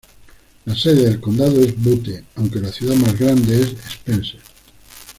La sede del condado es Butte aunque la ciudad más grande es Spencer.